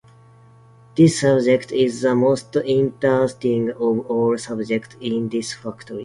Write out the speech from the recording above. This subject is the most interesting of all subjects in this faculty.